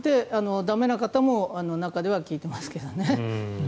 駄目な方も中では聞いていますけどね。